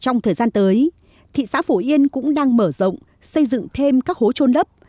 trong thời gian tới thị xã phổ yên cũng đang mở rộng xây dựng thêm các hố trôn lấp